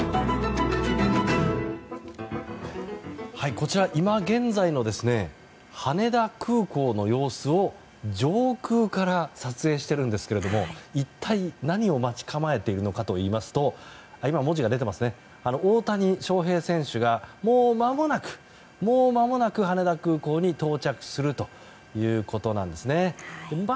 こちら今現在の羽田空港の様子を上空から撮影しているんですが一体何を待ち構えているのかといいますと大谷翔平選手がもうまもなく羽田空港に到着するということなんです。